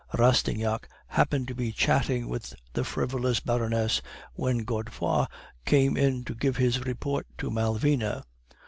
"Rastignac happened to be chatting with the frivolous Baroness when Godefroid came in to give his report to Malvina.